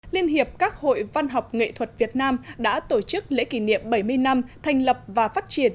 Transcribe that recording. liên hiệp các hội văn học nghệ thuật việt nam đã tổ chức lễ kỷ niệm bảy mươi năm thành lập và phát triển